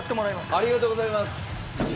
ありがとうございます。